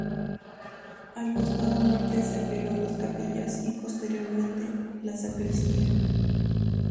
Al costado norte se abrieron dos capillas y posteriormente, la sacristía.